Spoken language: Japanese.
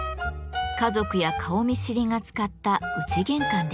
家族や顔見知りが使った「内玄関」です。